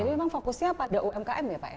jadi memang fokusnya pada umkm ya pak